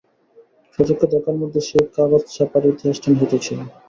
স্বচক্ষে দেখার মধ্যে সেই কাগজচাপার ইতিহাসটা নিহিত ছিল।